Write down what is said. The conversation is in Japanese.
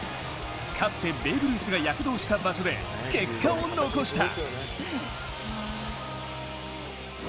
かつてベーブ・ルースが躍動した場所で結果を残した。